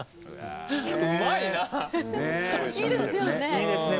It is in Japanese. いいですね